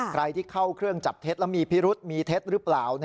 ใครที่เข้าเครื่องจับเท็จแล้วมีพิรุษมีเท็จหรือเปล่า